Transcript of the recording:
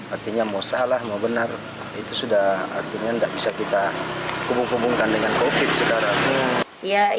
artinya mau salah mau benar itu sudah artinya tidak bisa kita hubung hubungkan dengan covid sekarang